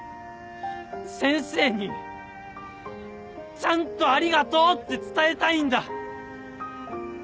先生にちゃんと「ありがとう」って伝えたいんだ！